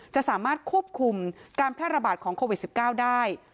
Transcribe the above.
จะสามารถควบคุมการแพร่ระบาดของโควิด๑๙ได้